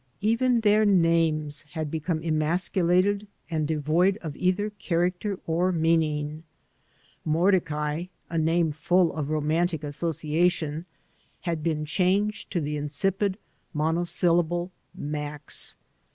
Even their names had become emasculated and devoid of either character or meaning. Mordecai — sl name full of romantic association — ^had been changed to the insipid monosyllable Max.